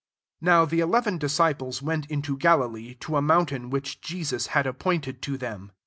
16 NOW the eleven disciples went into Galilee, to a moun tain which Jesus had appointed to them.